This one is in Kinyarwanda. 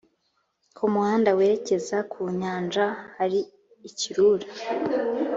ku muhanda werekeza ku nyanja hari icyirura